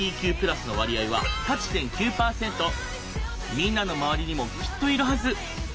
みんなの周りにもきっといるはず。